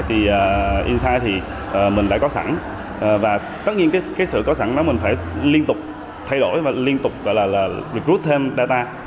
thì inside thì mình đã có sẵn và tất nhiên cái sự có sẵn đó mình phải liên tục thay đổi và liên tục recruit thêm data